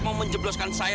mau menjebloskan saya